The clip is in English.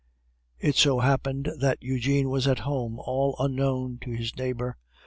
It so happened that Eugene was at home all unknown to his neighbor.